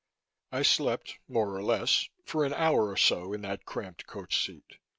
V I slept, more or less, for an hour or so in that cramped coach seat.